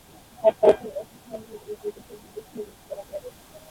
আর তাতে একই সঙ্গে এ প্রদেশের বিভক্তিও রোধ করা যাবে।